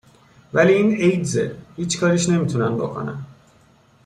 ولی این ایدزه، هیچ کاریش نمی تونن بکنن